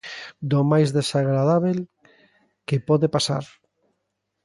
Do máis desagradábel que pode pasar.